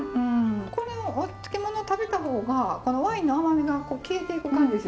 これお漬物食べた方がワインの甘みが消えていく感じですよね。